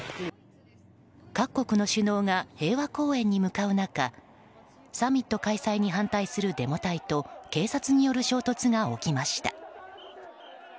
各国の首脳が平和公園に向かう中サミット開催に反対するデモ隊と警察による衝突が起きました。